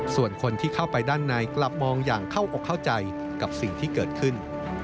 ส่วนคนที่เข้าไปด้านในกลับมองอย่างเข้าอกเข้าใจกับสิ่งที่เกิดขึ้น